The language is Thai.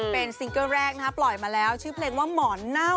เป็นซิงเกิลแรกนะคะปล่อยมาแล้วชื่อเพลงว่าหมอนเน่า